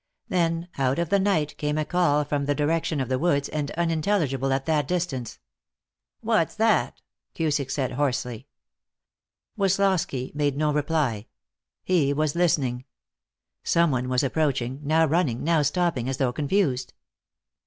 Then, out of the night, came a call from the direction of the woods, and unintelligible at that distance. "What's that?" Cusick said hoarsely. Woslosky made no reply. He was listening. Some one was approaching, now running, now stopping as though confused.